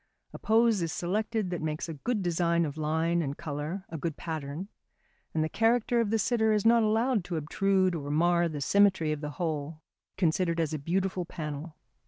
A pose is selected that makes a good design of line and colour a good pattern and the character of the sitter is not allowed to obtrude or mar the symmetry of the whole considered as a beautiful panel.